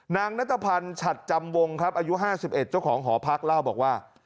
ณัตภัณฑ์ฉัดจำวงครับอายุ๕๑เจ้าของหอพักเล่าบอกว่า